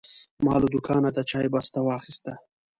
ما له دوکانه د چای بسته واخیسته.